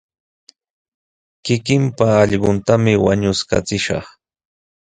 Kikinpa allquntami wañuskachishqa.